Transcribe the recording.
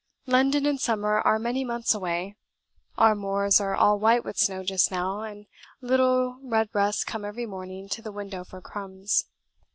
London and summer are many months away: our moors are all white with snow just now, and little redbreasts come every morning to the window for crumbs.